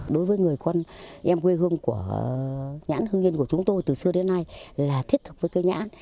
đối với người con em quê hương của nhãn hương yên của chúng tôi từ xưa đến nay là thiết thực với cây nhãn